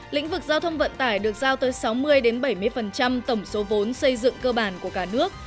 lĩnh vực giao thông vận tải được giao tới sáu mươi bảy mươi tổng số vốn xây dựng cơ bản của cả nước